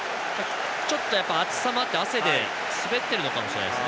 ちょっと暑さもあって汗で滑っているかもしれません。